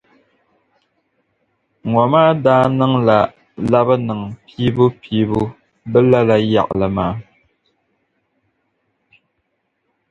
Ŋɔ maa daa niŋ la labi-niŋ piibu-piibu bɛ lala yaɣili maa.